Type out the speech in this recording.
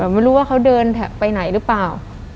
แต่ไม่รู้ว่าเขาเดินแถบไปไหนหรือเปล่า